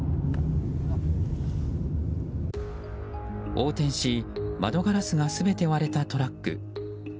横転し、窓ガラスが全て割れたトラック。